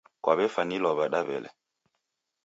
Kwaw'efwanilwa w'ada w'ele.